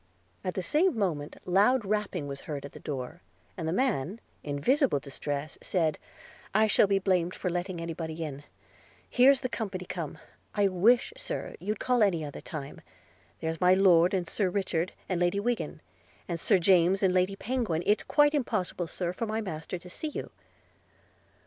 At the same moment loud rapping was heard at the door, and the man, in visible distress, said, 'I shall be blamed for letting any body in – here's the company come; I wish, Sir, you'd call any other time – there's my Lord and Sir Richard and Lady Wiggin, and Sir James and Lady Penguin – it's quite impossible, Sir, for my master to see you.'